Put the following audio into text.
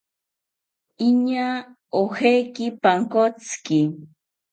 Iñaa ojeki pankotziki